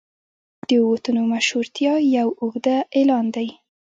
د اوو تنو مشهورتیا یو اوږده اعلان دی.